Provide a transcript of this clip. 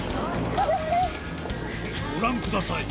ご覧ください